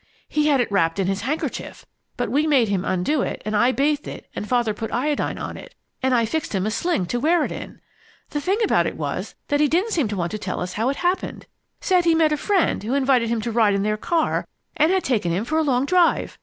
He had it wrapped in his handkerchief, but we made him undo it, and I bathed it and Father put iodine on, and I fixed him a sling to wear it in. The thing about it was that he didn't seem to want to tell us how it happened. Said he met a friend who invited him to ride in their car and had taken him for a long drive.